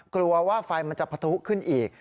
กลัวว่าไฟมันจะปะทุขึ้นอีก